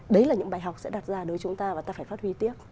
đấy là những bài học sẽ đặt ra đối với chúng ta và ta phải phát huy tiếp